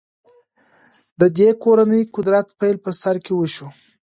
د دې کورنۍ قدرت پیل په سر کې وشو.